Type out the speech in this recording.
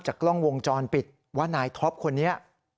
กล้องวงจรปิดว่านายท็อปคนนี้